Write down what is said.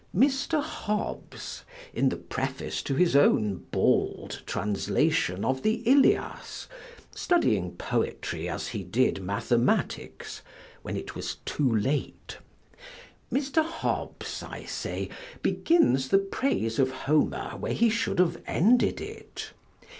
Mr. Hobbes, in the preface to his own bald translation of the Ilias (studying poetry as he did mathematics, when it was too late) Mr. Hobbes, I say, begins the praise of Homer where he should have ended it.